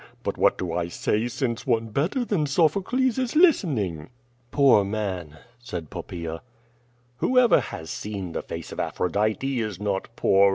But what do I say! since one better than Sophocles is listening." "Poor man," said Poppaea. "Whoever has seen the face of Aphrodite is not poor.